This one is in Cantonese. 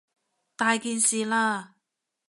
大件事喇！